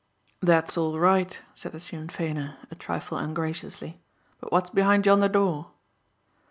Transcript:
"That's all right," said the Sinn Feiner a trifle ungraciously, "but what's behind yonder door?"